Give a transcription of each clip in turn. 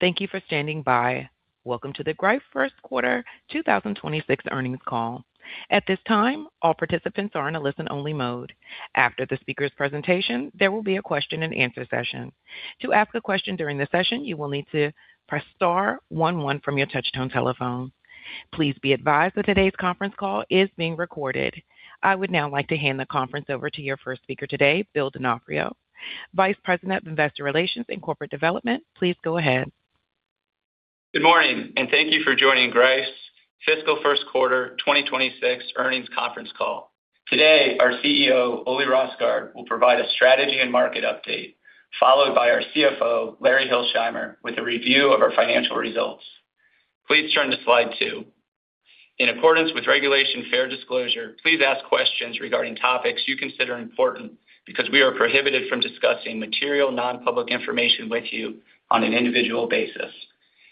Thank you for standing by. Welcome to the Greif First Quarter 2026 Earnings Call. At this time, all participants are in a listen-only mode. After the speaker's presentation, there will be a question-and-answer session. To ask a question during the session, you will need to press star one one from your touch-tone telephone. Please be advised that today's conference call is being recorded. I would now like to hand the conference over to your first speaker today, Bill D'Onofrio, Vice President of Investor Relations and Corporate Development. Please go ahead. Good morning, and thank you for joining Greif's fiscal first quarter 2026 earnings conference call. Today, our CEO, Ole Rosgaard, will provide a strategy and market update, followed by our CFO, Larry Hilsheimer, with a review of our financial results. Please turn to slide two. In accordance with Regulation Fair Disclosure, please ask questions regarding topics you consider important because we are prohibited from discussing material, non-public information with you on an individual basis.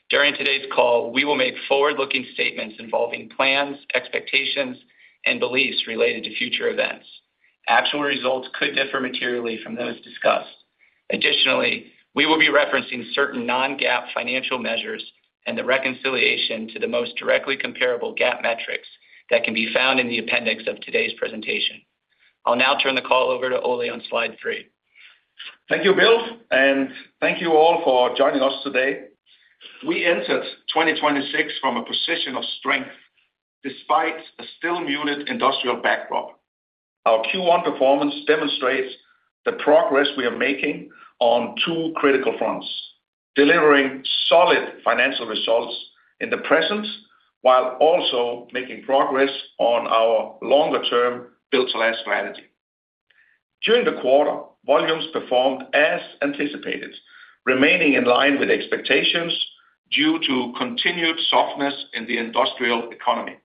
During today's call, we will make forward-looking statements involving plans, expectations, and beliefs related to future events. Actual results could differ materially from those discussed. Additionally, we will be referencing certain non-GAAP financial measures and the reconciliation to the most directly comparable GAAP metrics that can be found in the appendix of today's presentation. I'll now turn the call over to Ole on slide three. Thank you, Bill, and thank you all for joining us today. We entered 2026 from a position of strength, despite a still muted industrial backdrop. Our Q1 performance demonstrates the progress we are making on two critical fronts, delivering solid financial results in the present, while also making progress on our longer-term Build to Last strategy. During the quarter, volumes performed as anticipated, remaining in line with expectations due to continued softness in the industrial economy.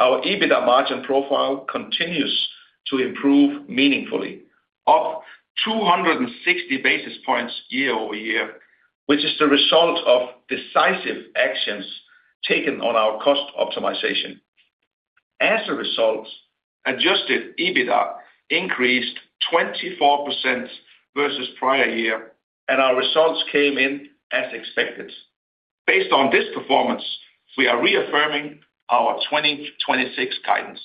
Our EBITDA margin profile continues to improve meaningfully, up 260 basis points year-over-year, which is the result of decisive actions taken on our cost optimization. As a result, adjusted EBITDA increased 24% versus prior year, and our results came in as expected. Based on this performance, we are reaffirming our 2026 guidance.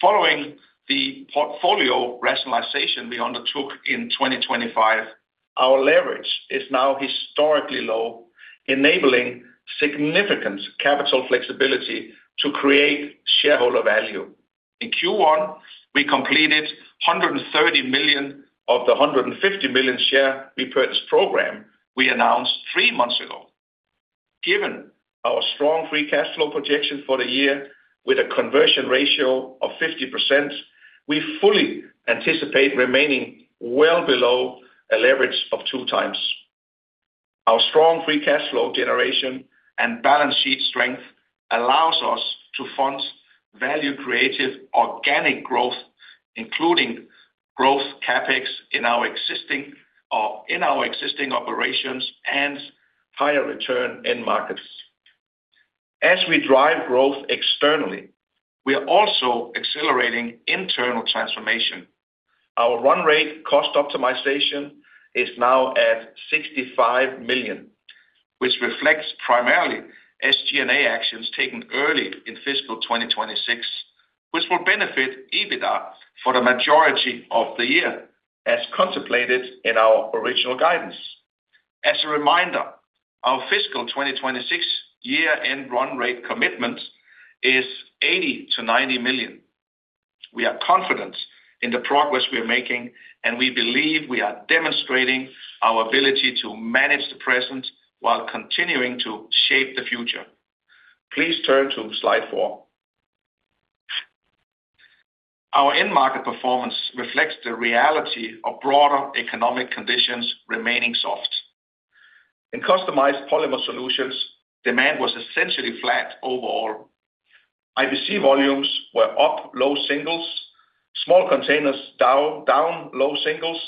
Following the portfolio rationalization we undertook in 2025, our leverage is now historically low, enabling significant capital flexibility to create shareholder value. In Q1, we completed $130 million of the $150 million share repurchase program we announced three months ago. Given our strong free cash flow projection for the year with a conversion ratio of 50%, we fully anticipate remaining well below a leverage of 2 times. Our strong free cash flow generation and balance sheet strength allows us to fund value-creative organic growth, including growth CapEx in our existing operations and higher return end markets. As we drive growth externally, we are also accelerating internal transformation. Our run rate cost optimization is now at $65 million, which reflects primarily SG&A actions taken early in fiscal 2026, which will benefit EBITDA for the majority of the year, as contemplated in our original guidance. As a reminder, our fiscal 2026 year-end run rate commitment is $80 million-$90 million. We are confident in the progress we are making, and we believe we are demonstrating our ability to manage the present while continuing to shape the future. Please turn to slide four. Our end market performance reflects the reality of broader economic conditions remaining soft. In Customized Polymer Solutions, demand was essentially flat overall. IBC volumes were up low singles, small containers down low singles,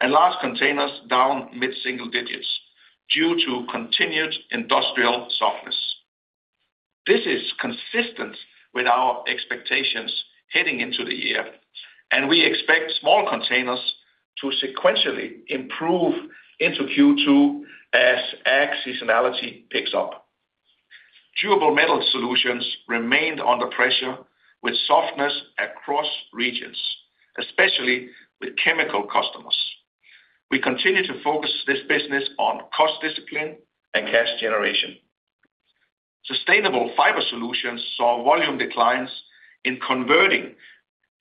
and large containers down mid-single digits due to continued industrial softness. This is consistent with our expectations heading into the year, and we expect small containers to sequentially improve into Q2 as ag seasonality picks up. Durable Metal Solutions remained under pressure with softness across regions, especially with chemical customers. We continue to focus this business on cost discipline and cash generation. Sustainable Fiber Solutions saw volume declines in converting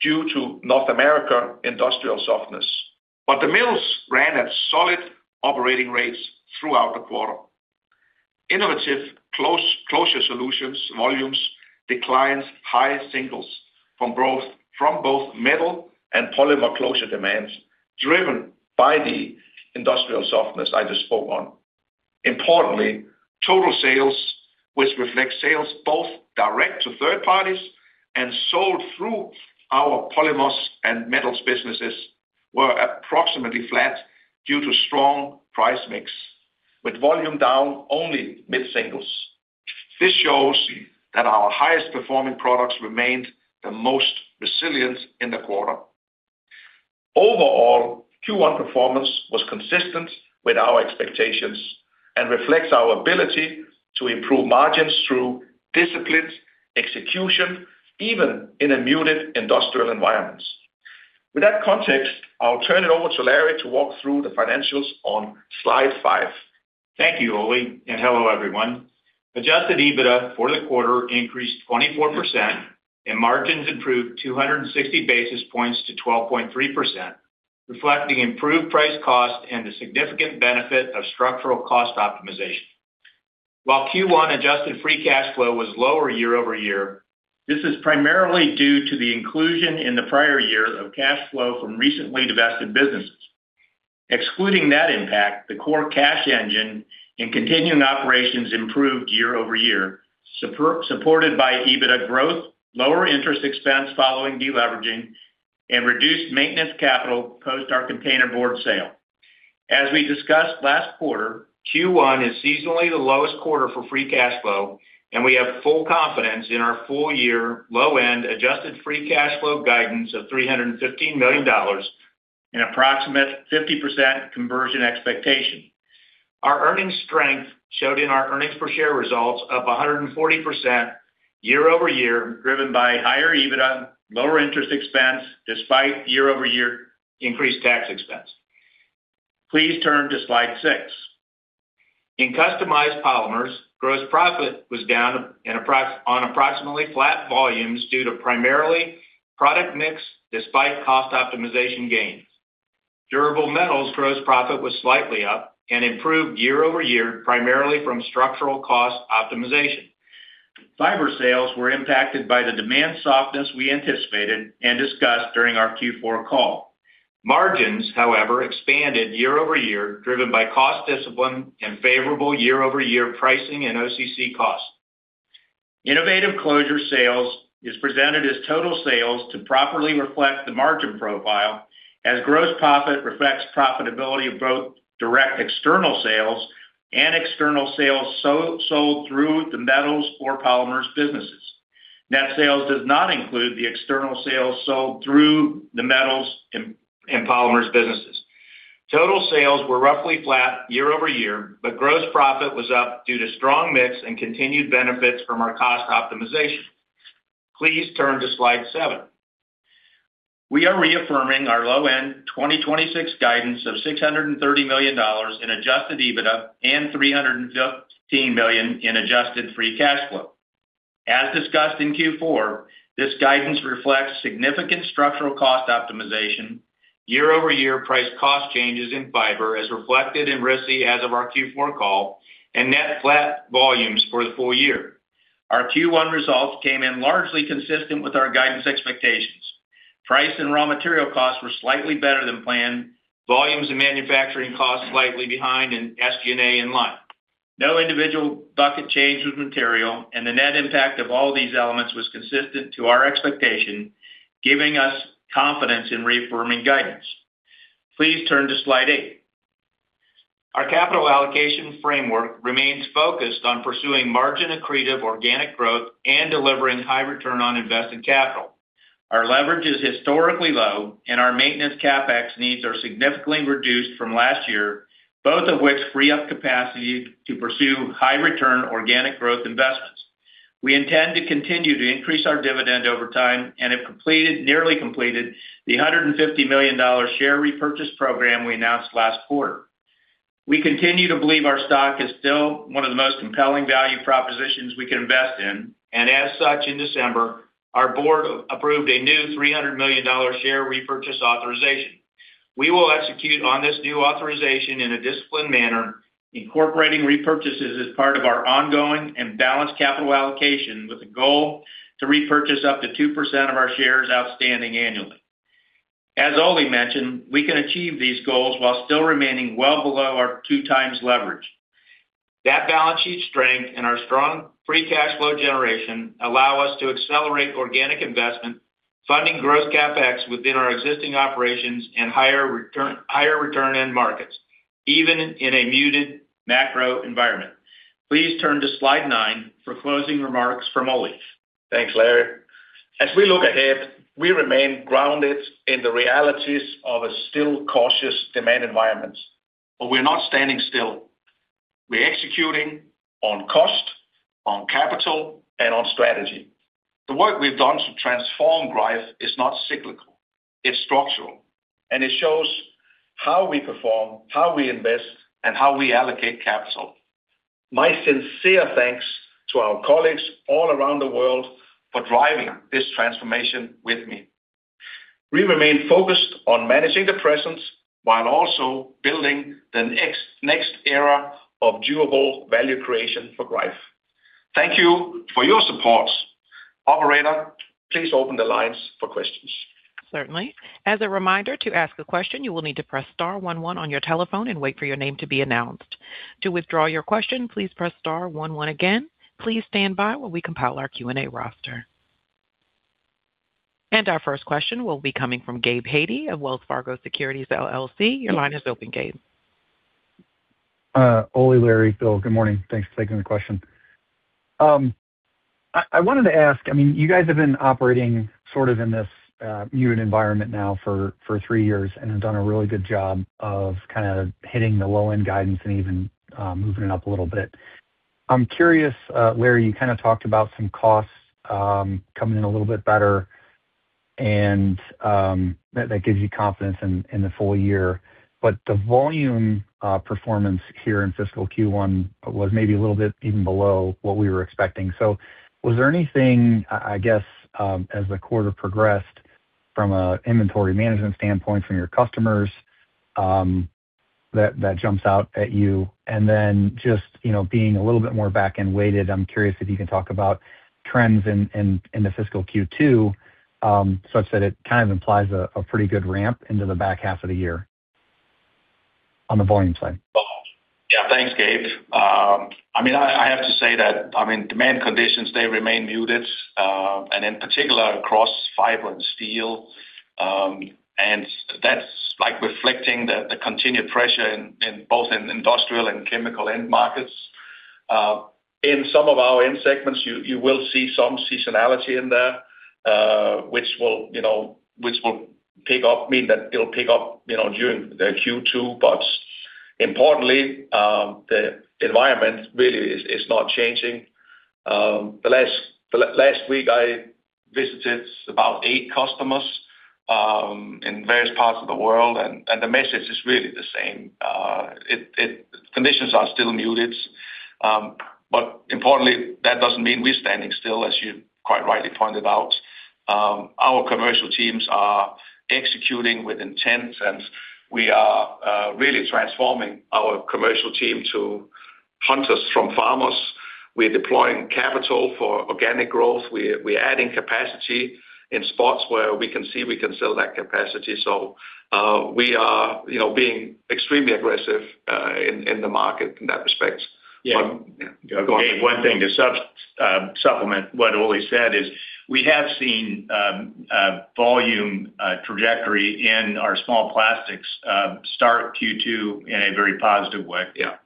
due to North America industrial softness, but the mills ran at solid operating rates throughout the quarter. Innovative Closure Solutions volumes declined high singles from growth from both metal and polymer closure demands, driven by the industrial softness I just spoke on. Importantly, total sales, which reflects sales both direct to third parties and sold through our Polymers and Metals businesses, were approximately flat due to strong price mix, with volume down only mid-singles. This shows that our highest performing products remained the most resilient in the quarter. Overall, Q1 performance was consistent with our expectations and reflects our ability to improve margins through disciplined execution, even in a muted industrial environment. With that context, I'll turn it over to Larry to walk through the financials on slide five. Thank you, Ole, and hello, everyone. Adjusted EBITDA for the quarter increased 24%, and margins improved 260 basis points to 12.3%, reflecting improved price cost and the significant benefit of structural cost optimization. While Q1 adjusted free cash flow was lower year-over-year, this is primarily due to the inclusion in the prior year of cash flow from recently divested businesses. Excluding that impact, the core cash engine and continuing operations improved year-over-year, supported by EBITDA growth, lower interest expense following deleveraging, and reduced maintenance capital post our containerboard sale. As we discussed last quarter, Q1 is seasonally the lowest quarter for free cash flow, and we have full confidence in our full year low-end adjusted free cash flow guidance of $315 million and approximate 50% conversion expectation. Our earnings strength showed in our earnings per share results, up 140% year-over-year, driven by higher EBITDA, lower interest expense, despite year-over-year increased tax expense. Please turn to slide six. In Customized Polymers, gross profit was down on approximately flat volumes due to primarily product mix, despite cost optimization gains. Durable Metals gross profit was slightly up and improved year-over-year, primarily from structural cost optimization. Fiber sales were impacted by the demand softness we anticipated and discussed during our Q4 call. Margins, however, expanded year-over-year, driven by cost discipline and favorable year-over-year pricing and OCC costs. Innovative Closure sales is presented as total sales to properly reflect the margin profile, as gross profit reflects profitability of both direct external sales and external sales sold through the Metals or Polymers businesses. Net sales does not include the external sales sold through the Metals and Polymers businesses. Total sales were roughly flat year-over-year, but gross profit was up due to strong mix and continued benefits from our cost optimization. Please turn to slide seven. We are reaffirming our low-end 2026 guidance of $630 million in adjusted EBITDA and $315 million in adjusted free cash flow. As discussed in Q4, this guidance reflects significant structural cost optimization, year-over-year price cost changes in Fiber, as reflected in RISI as of our Q4 call, and net flat volumes for the full year. Our Q1 results came in largely consistent with our guidance expectations. Price and raw material costs were slightly better than planned, volumes and manufacturing costs slightly behind, and SG&A in line. No individual bucket changed with material, and the net impact of all these elements was consistent to our expectation, giving us confidence in reaffirming guidance. Please turn to slide eight. Our capital allocation framework remains focused on pursuing margin-accretive organic growth and delivering high return on invested capital. Our leverage is historically low, and our maintenance CapEx needs are significantly reduced from last year, both of which free up capacity to pursue high return organic growth investments. We intend to continue to increase our dividend over time and have nearly completed the $150 million share repurchase program we announced last quarter. We continue to believe our stock is still one of the most compelling value propositions we can invest in, and as such, in December, our board approved a new $300 million share repurchase authorization. We will execute on this new authorization in a disciplined manner, incorporating repurchases as part of our ongoing and balanced capital allocation, with a goal to repurchase up to 2% of our shares outstanding annually. As Ole mentioned, we can achieve these goals while still remaining well below our 2 times leverage. That balance sheet strength and our strong free cash flow generation allow us to accelerate organic investment, funding growth CapEx within our existing operations and higher return, higher return end markets, even in a muted macro environment. Please turn to slide nine for closing remarks from Ole. Thanks, Larry. As we look ahead, we remain grounded in the realities of a still cautious demand environment, but we're not standing still. We're executing on cost, on capital, and on strategy. The work we've done to transform Greif is not cyclical, it's structural, and it shows how we perform, how we invest, and how we allocate capital. My sincere thanks to our colleagues all around the world for driving this transformation with me. We remain focused on managing the present while also building the next, next era of durable value creation for Greif. Thank you for your support. Operator, please open the lines for questions. Certainly. As a reminder, to ask a question, you will need to press star one one on your telephone and wait for your name to be announced. To withdraw your question, please press star one one again. Please stand by while we compile our Q&A roster. Our first question will be coming from Gabe Hajde of Wells Fargo Securities LLC. Your line is open, Gabe.... Ole, Larry, Bill, good morning. Thanks for taking the question. I wanted to ask, I mean, you guys have been operating sort of in this muted environment now for three years and have done a really good job of kind of hitting the low-end guidance and even moving it up a little bit. I'm curious, Larry, you kind of talked about some costs coming in a little bit better, and that gives you confidence in the full year. But the volume performance here in fiscal Q1 was maybe a little bit even below what we were expecting. So was there anything, I guess, as the quarter progressed from a inventory management standpoint from your customers, that jumps out at you? Then just, you know, being a little bit more back-end weighted, I'm curious if you can talk about trends in the fiscal Q2, such that it kind of implies a pretty good ramp into the back half of the year on the volume side. Yeah, thanks, Gabe. I mean, I have to say that, I mean, demand conditions, they remain muted, and in particular across fiber and steel. And that's like reflecting the continued pressure in both industrial and chemical end markets. In some of our end segments, you will see some seasonality in there, which will, you know, which will pick up... mean that it'll pick up, you know, during the Q2. But importantly, the environment really is not changing. The last week I visited about eight customers in various parts of the world, and the message is really the same. It... Conditions are still muted, but importantly, that doesn't mean we're standing still, as you quite rightly pointed out. Our commercial teams are executing with intent, and we are really transforming our commercial team to hunters from farmers. We're deploying capital for organic growth. We're adding capacity in spots where we can see we can sell that capacity. So, we are, you know, being extremely aggressive in the market in that respect. Yeah. Go on. One thing to supplement what Ole said is, we have seen volume trajectory in our small plastics start Q2 in a very positive way. Yeah.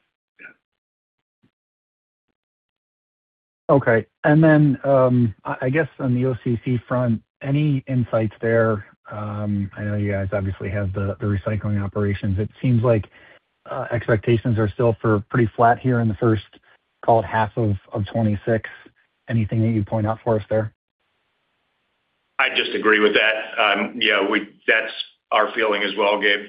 Yeah. Okay. Then, I guess on the OCC front, any insights there? I know you guys obviously have the recycling operations. It seems like expectations are still for pretty flat here in the first half of 2026. Anything that you'd point out for us there? I just agree with that. Yeah, we, that's our feeling as well, Gabe.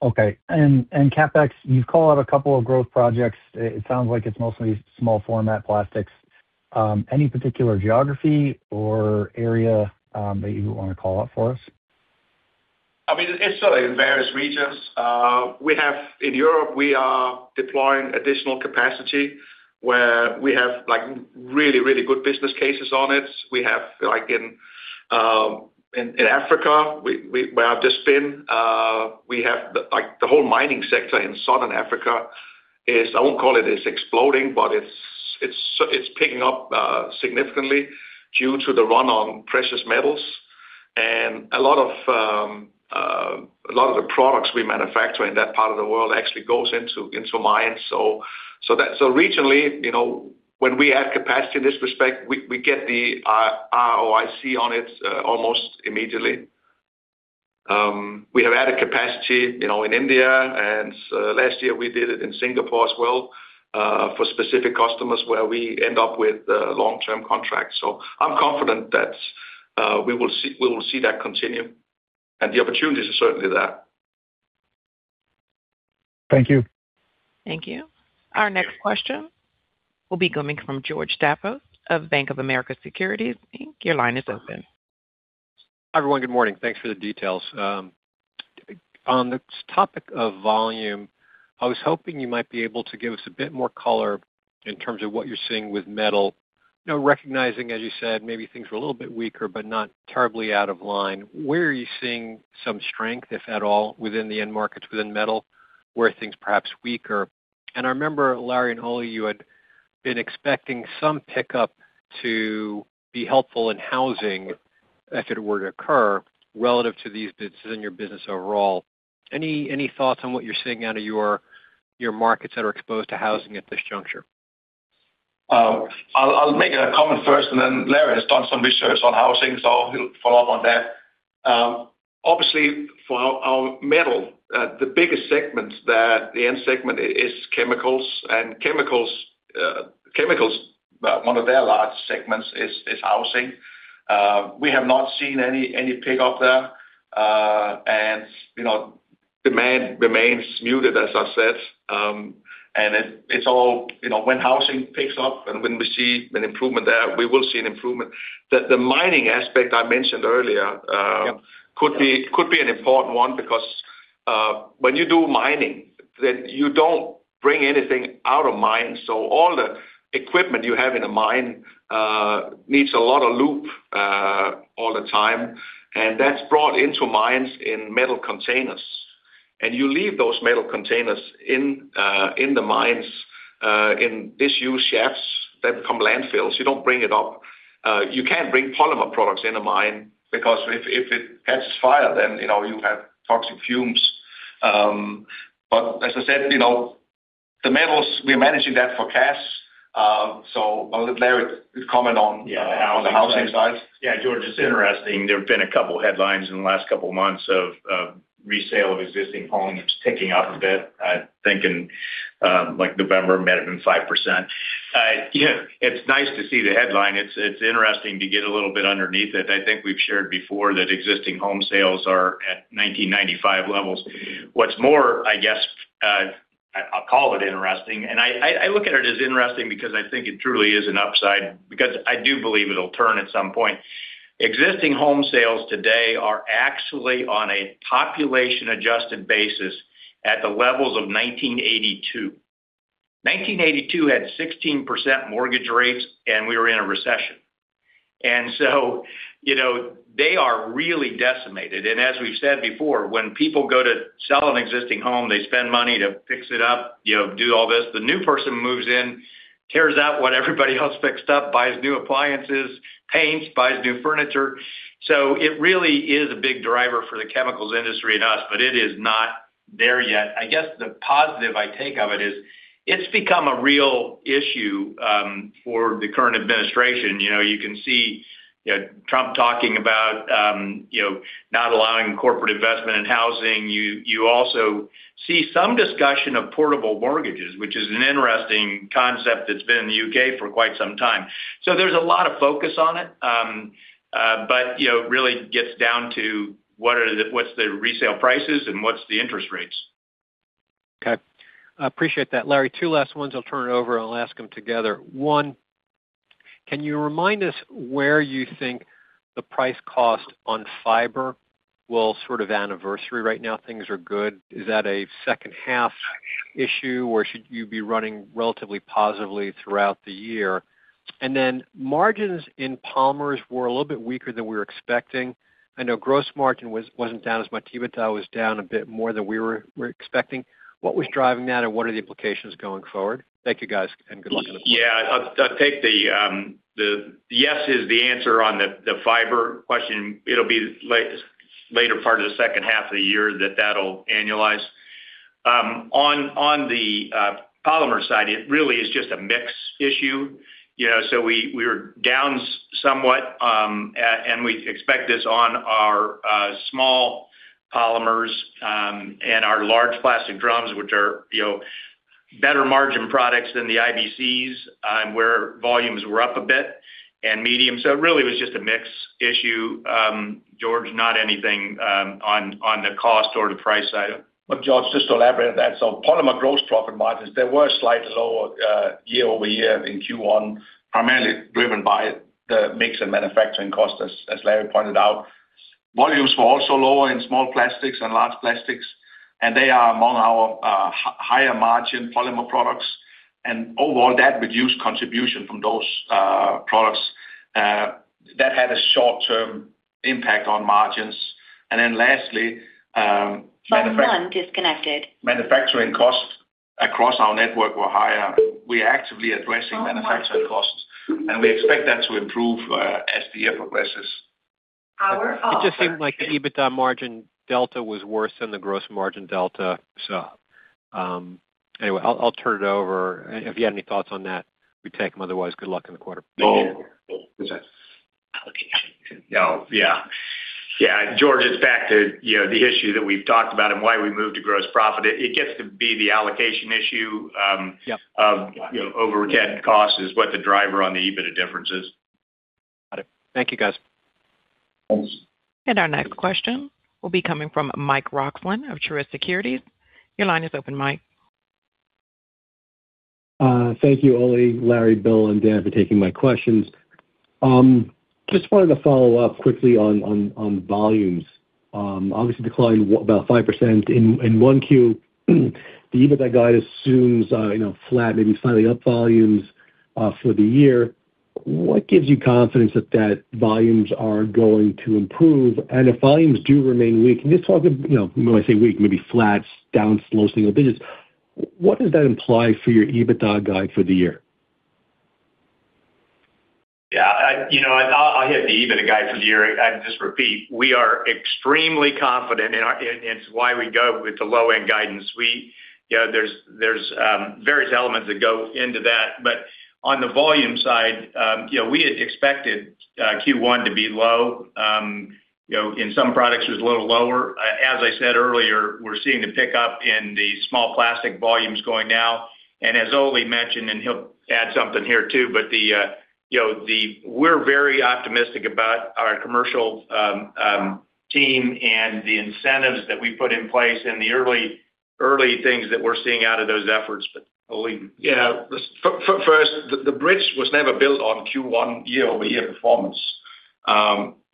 Okay. And CapEx, you've called out a couple of growth projects. It sounds like it's mostly small format plastics. Any particular geography or area that you want to call out for us? I mean, it's certainly in various regions. We have... In Europe, we are deploying additional capacity where we have, like, really, really good business cases on it. We have, like, in Africa, where I've just been, we have the, like, the whole mining sector in Southern Africa is, I won't call it it's exploding, but it's picking up significantly due to the run on precious metals. And a lot of the products we manufacture in that part of the world actually goes into mines. So that, regionally, you know, when we add capacity in this respect, we get the ROIC on it almost immediately. We have added capacity, you know, in India, and last year we did it in Singapore as well, for specific customers where we end up with long-term contracts. So I'm confident that we will see, we will see that continue, and the opportunities are certainly there. Thank you. Thank you. Our next question will be coming from George Staphos of Bank of America Securities, Inc. Your line is open. Hi, everyone. Good morning. Thanks for the details. On the topic of volume, I was hoping you might be able to give us a bit more color in terms of what you're seeing with metal. You know, recognizing, as you said, maybe things were a little bit weaker, but not terribly out of line. Where are you seeing some strength, if at all, within the end markets, within Metal, where are things perhaps weaker? And I remember, Larry and Ole, you had been expecting some pickup to be helpful in housing, if it were to occur, relative to these bits in your business overall. Any, any thoughts on what you're seeing out of your, your markets that are exposed to housing at this juncture? I'll make a comment first, and then Larry has done some research on housing, so he'll follow up on that. Obviously, for our Metal, the biggest segment that the end segment is chemicals, and chemicals, one of their large segments is housing. We have not seen any pickup there, and, you know, demand remains muted, as I said. And it's all, you know, when housing picks up and when we see an improvement there, we will see an improvement. The mining aspect I mentioned earlier. Yeah... could be, could be an important one, because, when you do mining, then you don't bring anything out of mine. So all the equipment you have in a mine, needs a lot of lube, all the time, and that's brought into mines in metal containers. And you leave those metal containers in, in the mines, in disused shafts that become landfills. You don't bring it up.... you can't bring polymer products in a mine, because if, if it catches fire, then, you know, you have toxic fumes. But as I said, you know, the Metals, we're managing that for cash. So Larry, comment on, on the housing side. Yeah, George, it's interesting. There have been a couple headlines in the last couple of months of resale of existing homes picking up a bit. I think in, like November, might have been 5%. Yeah, it's nice to see the headline. It's interesting to get a little bit underneath it. I think we've shared before that existing home sales are at 1995 levels. What's more, I guess, I'll call it interesting, and I look at it as interesting because I think it truly is an upside, because I do believe it'll turn at some point. Existing home sales today are actually on a population-adjusted basis at the levels of 1982. 1982 had 16% mortgage rates, and we were in a recession. And so, you know, they are really decimated. As we've said before, when people go to sell an existing home, they spend money to fix it up, you know, do all this. The new person moves in, tears out what everybody else fixed up, buys new appliances, paints, buys new furniture. So it really is a big driver for the chemicals industry and us, but it is not there yet. I guess the positive I take of it is, it's become a real issue for the current administration. You know, you can see, you know, Trump talking about, you know, not allowing corporate investment in housing. You also see some discussion of portable mortgages, which is an interesting concept that's been in the U.K. for quite some time. So there's a lot of focus on it. But, you know, it really gets down to what are the resale prices and what's the interest rates? Okay. I appreciate that, Larry. Two last ones, I'll turn it over, and I'll ask them together. One, can you remind us where you think the price cost on Fiber will sort of anniversary? Right now, things are good. Is that a second-half issue, or should you be running relatively positively throughout the year? And then, margins in Polymers were a little bit weaker than we were expecting. I know gross margin wasn't down as much. EBITDA was down a bit more than we were expecting. What was driving that, and what are the implications going forward? Thank you, guys, and good luck on the floor. Yeah, I'll take the... Yes, is the answer on the Fiber question. It'll be later part of the second half of the year that that'll annualize. On the Polymer side, it really is just a mix issue, you know, so we were down somewhat, and we expect this on our small polymers, and our large plastic drums, which are, you know, better margin products than the IBCs, where volumes were up a bit, and medium. So it really was just a mix issue, George, not anything on the cost or the price side. But George, just to elaborate on that, so Polymer gross profit margins, they were slightly lower year-over-year in Q1, primarily driven by the mix and manufacturing costs, as Larry pointed out. Volumes were also lower in small plastics and large plastics, and they are among our higher margin polymer products. And overall, that reduced contribution from those products that had a short-term impact on margins. And then lastly, manufac- One disconnected. Manufacturing costs across our network were higher. We're actively addressing manufacturing costs, and we expect that to improve, as the year progresses. Our offer- It just seemed like the EBITDA margin delta was worse than the gross margin delta. Anyway, I'll, I'll turn it over. If you had any thoughts on that, we'd take them; otherwise, good luck in the quarter. Oh, okay. Oh, yeah. Yeah, George, it's back to, you know, the issue that we've talked about and why we moved to gross profit. It gets to be the allocation issue. Yeah... you know, overhead cost is what the driver on the EBITDA difference is. Got it. Thank you, guys. Thanks. Our next question will be coming from Mike Roxland of Truist Securities. Your line is open, Mike. Thank you, Ole, Larry, Bill, and Dan, for taking my questions. Just wanted to follow up quickly on volumes. Obviously declined about 5% in 1Q. The EBITDA guide assumes, you know, flat, maybe slightly up volumes, for the year. What gives you confidence that volumes are going to improve? And if volumes do remain weak, can you just talk, you know, when I say weak, maybe flat, down, slow, single digits, what does that imply for your EBITDA guide for the year? Yeah, you know, I hit the EBITDA guide for the year. I'd just repeat, we are extremely confident in our, it, it's why we go with the low-end guidance. You know, there's various elements that go into that. But on the volume side, you know, we had expected Q1 to be low. You know, in some products, it was a little lower. As I said earlier, we're seeing a pickup in the small plastic volumes going now. And as Ole mentioned, and he'll add something here, too, but the, you know, the, we're very optimistic about our commercial team and the incentives that we put in place and the early things that we're seeing out of those efforts. But, Ole? Yeah. First, the bridge was never built on Q1 year-over-year performance.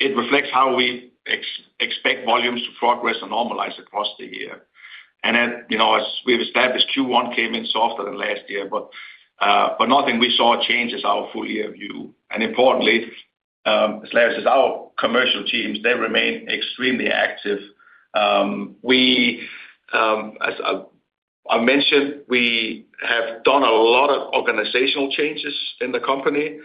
It reflects how we expect volumes to progress and normalize across the year. And then, you know, as we've established, Q1 came in softer than last year, but, but nothing we saw changes our full year view. And importantly, as Larry says, our commercial teams, they remain extremely active. As I mentioned, we have done a lot of organizational changes in the company.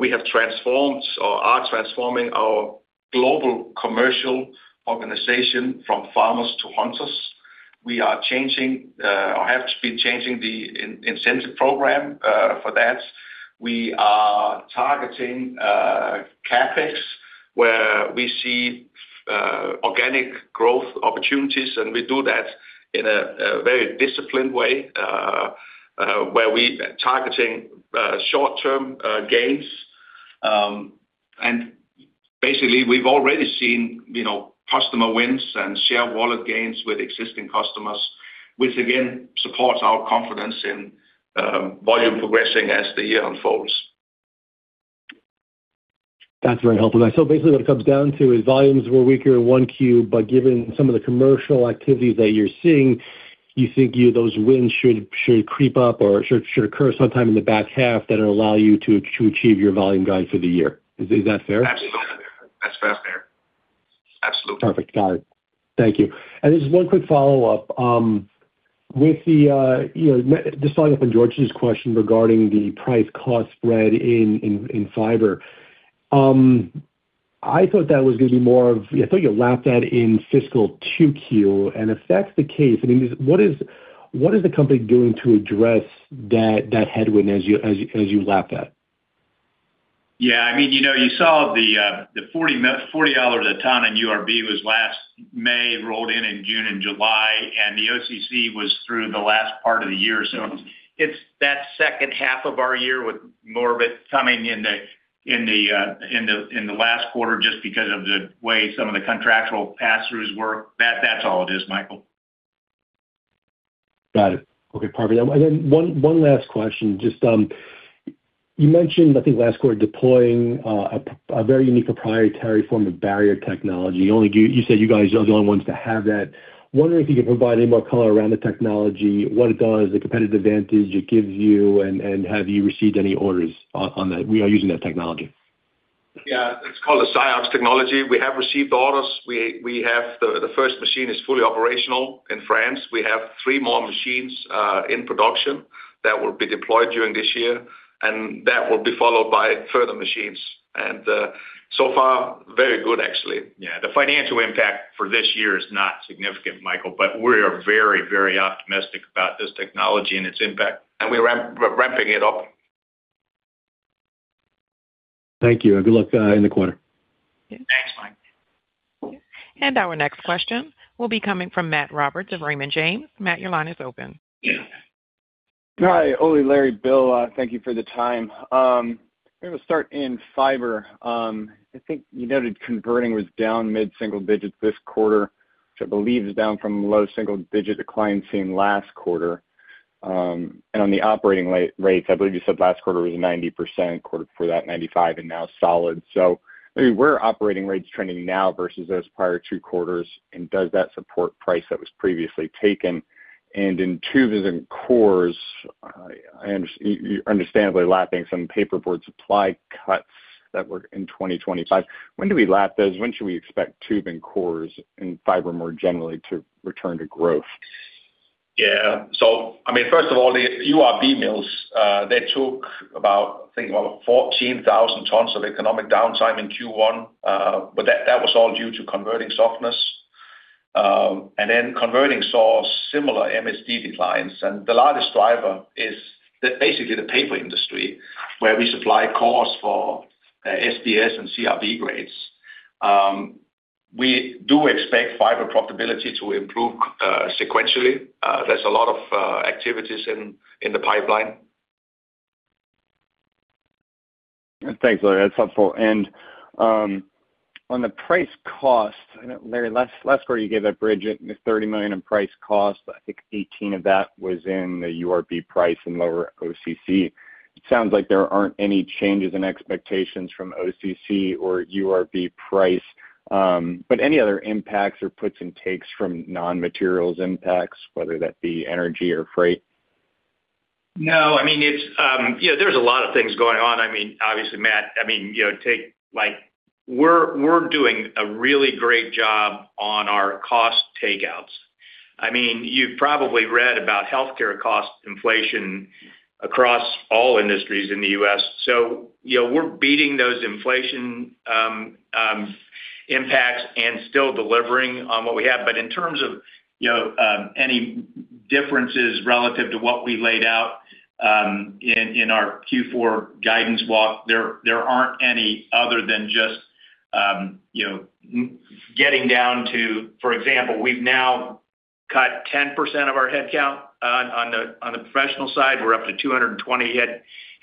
We have transformed or are transforming our global commercial organization from farmers to hunters. We are changing, or have to be changing the incentive program, for that. We are targeting CapEx, where we see organic growth opportunities, and we do that in a very disciplined way, where we targeting short-term gains. And basically, we've already seen, you know, customer wins and share wallet gains with existing customers, which again, supports our confidence in volume progressing as the year unfolds. That's very helpful. And so basically, what it comes down to is volumes were weaker in 1Q, but given some of the commercial activities that you're seeing, you think those wins should creep up or should occur sometime in the back half, that it'll allow you to achieve your volume guide for the year. Is that fair? Absolutely. That's fair, absolutely. Perfect, got it. Thank you. Just one quick follow-up. With the you know, just following up on George's question regarding the price cost spread in Fiber. I thought that was gonna be more of-- I thought you lap that in fiscal 2Q. And if that's the case, I mean, what is the company doing to address that headwind as you lap that? Yeah, I mean, you know, you saw the $40 a ton in URB was last May, rolled in in June and July, and the OCC was through the last part of the year. So it's that second half of our year, with more of it coming in the last quarter, just because of the way some of the contractual pass-throughs work. That's all it is, Michael. Got it. Okay, perfect. And then one last question. Just, you mentioned, I think, last quarter, deploying a very unique proprietary form of barrier technology. Only you-- You said you guys are the only ones to have that. Wondering if you could provide any more color around the technology, what it does, the competitive advantage it gives you, and have you received any orders on that using that technology? Yeah, it's called a SiOx technology. We have received orders. We have the first machine is fully operational in France. We have three more machines in production that will be deployed during this year, and that will be followed by further machines. So far, very good, actually. Yeah, the financial impact for this year is not significant, Michael, but we are very, very optimistic about this technology and its impact. And we're ramping it up. Thank you, and good luck in the quarter. Thanks, Mike. Our next question will be coming from Matt Roberts of Raymond James. Matt, your line is open. Hi, Ole, Larry, Bill, thank you for the time. I'm gonna start in Fiber. I think you noted converting was down mid-single digits this quarter, which I believe is down from low single-digit decline seen last quarter. And on the operating rates, I believe you said last quarter was 90%, quarter before that, 95%, and now solid. So I mean, where are operating rates trending now versus those prior two quarters, and does that support price that was previously taken? And in Tubes and Cores, I understand you understandably lapping some paperboard supply cuts that were in 2025. When do we lap those? When should we expect Tubes and Cores and Fiber more generally to return to growth? Yeah. So I mean, first of all, the URB mills, they took about, I think, about 14,000 tons of economic downtime in Q1, but that was all due to converting softness. And then converting saw similar MSD declines. And the largest driver is basically the paper industry, where we supply cores for SBS and CRB grades. We do expect Fiber profitability to improve sequentially. There's a lot of activities in the pipeline. Thanks, Larry. That's helpful. And on the price cost, I know, Larry, last, last quarter, you gave a bridge at the $30 million in price cost, but I think $18 million of that was in the URB price and lower OCC. It sounds like there aren't any changes in expectations from OCC or URB price, but any other impacts or puts and takes from non-materials impacts, whether that be energy or freight? No, I mean, it's, you know, there's a lot of things going on. I mean, obviously, Matt, I mean, you know, take like we're doing a really great job on our cost takeouts. I mean, you've probably read about healthcare cost inflation across all industries in the U.S., so you know, we're beating those inflation impacts and still delivering on what we have. But in terms of, you know, any differences relative to what we laid out, in our Q4 guidance walk, there aren't any other than just, you know, getting down to, for example, we've now cut 10% of our headcount on the professional side. We're up to 220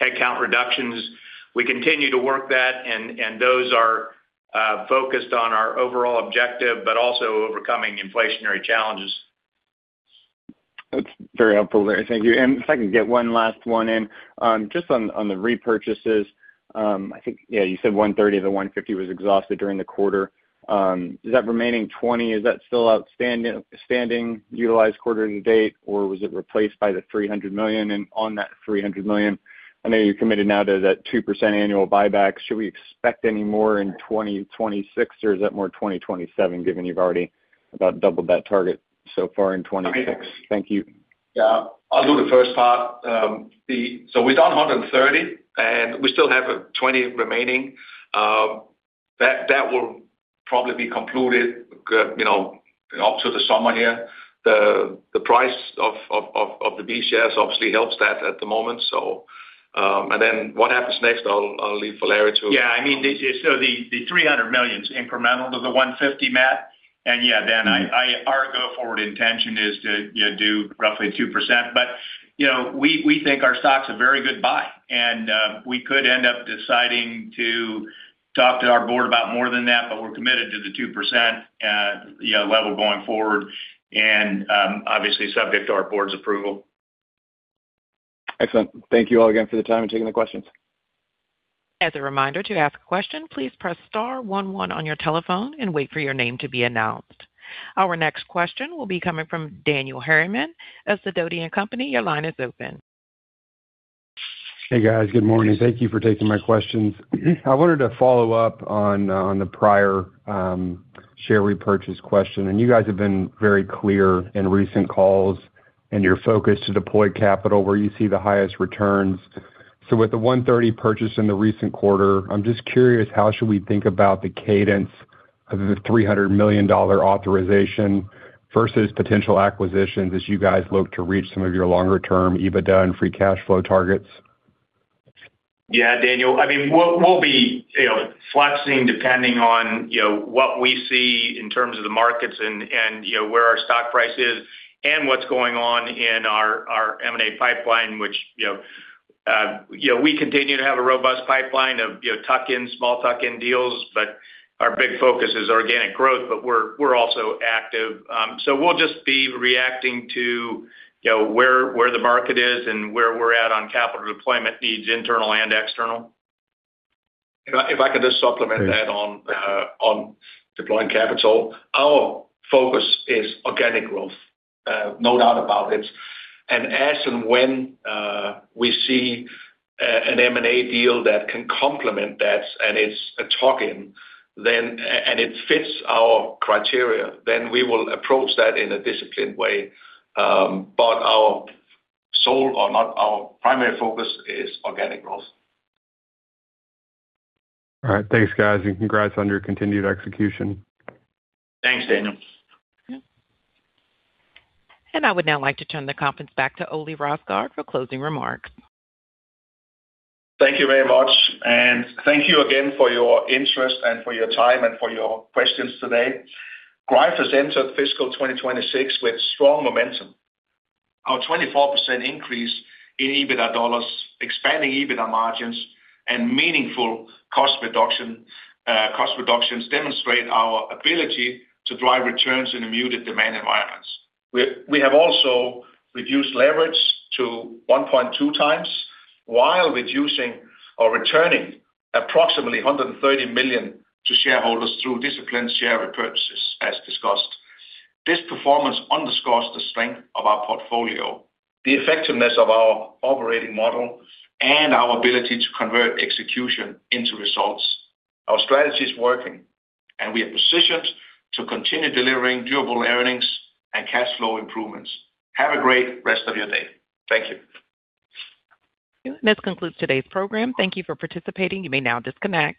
headcount reductions. We continue to work that, and those are focused on our overall objective, but also overcoming inflationary challenges. That's very helpful, Larry. Thank you. And if I can get one last one in, just on the repurchases, I think, yeah, you said $130 million, the $150 million was exhausted during the quarter. Is that remaining $20 million, is that still outstanding utilized quarter to date, or was it replaced by the $300 million? And on that $300 million, I know you're committed now to that 2% annual buyback. Should we expect any more in 2026, or is that more 2027, given you've already about doubled that target so far in 2026? Thank you.... Yeah, I'll do the first part. So we've done $130 million, and we still have $20 million remaining. That will probably be concluded, you know, up to the summer here. The price of the B shares obviously helps that at the moment. So... And then what happens next, I'll leave for Larry to- Yeah, I mean, the $300 million is incremental to the $150 million, Matt. And yeah, then our go-forward intention is to, you know, do roughly 2%. But, you know, we think our stock's a very good buy, and we could end up deciding to talk to our board about more than that, but we're committed to the 2% level going forward, and obviously, subject to our board's approval. Excellent. Thank you all again for the time and taking the questions. As a reminder, to ask a question, please press star one one on your telephone and wait for your name to be announced. Our next question will be coming from Daniel Harriman of Sidoti & Company. Your line is open. Hey, guys. Good morning. Thank you for taking my questions. I wanted to follow up on, on the prior, share repurchase question, and you guys have been very clear in recent calls and your focus to deploy capital where you see the highest returns. So with the $130 million purchase in the recent quarter, I'm just curious, how should we think about the cadence of the $300 million authorization versus potential acquisitions as you guys look to reach some of your longer term EBITDA and free cash flow targets? Yeah, Daniel, I mean, we'll be, you know, flexing, depending on, you know, what we see in terms of the markets and, you know, where our stock price is and what's going on in our M&A pipeline, which, you know, we continue to have a robust pipeline of, you know, tuck-in, small tuck-in deals, but our big focus is organic growth, but we're also active. So we'll just be reacting to, you know, where the market is and where we're at on capital deployment needs, internal and external. If I could just supplement that on deploying capital. Our focus is organic growth, no doubt about it. And as and when we see an M&A deal that can complement that and it's a tuck-in, then and it fits our criteria, then we will approach that in a disciplined way. But our sole or not, our primary focus is organic growth. All right. Thanks, guys, and congrats on your continued execution. Thanks, Daniel. I would now like to turn the conference back to Ole Rosgaard for closing remarks. Thank you very much, and thank you again for your interest and for your time and for your questions today. Greif has entered fiscal 2026 with strong momentum. Our 24% increase in EBITDA dollars, expanding EBITDA margins, and meaningful cost reduction, cost reductions demonstrate our ability to drive returns in a muted demand environment. We have also reduced leverage to 1.2 times, while reducing or returning approximately $130 million to shareholders through disciplined share repurchases, as discussed. This performance underscores the strength of our portfolio, the effectiveness of our operating model, and our ability to convert execution into results. Our strategy is working, and we are positioned to continue delivering durable earnings and cash flow improvements. Have a great rest of your day. Thank you. This concludes today's program. Thank you for participating. You may now disconnect.